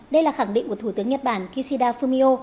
đây là khẳng định của thủ tướng nhật bản kishida fumio